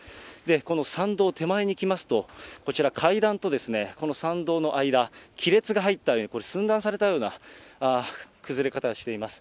この参道手前に来ますと、こちら、階段とこの参道の間、亀裂が入ったように、寸断されたような崩れ方をしています。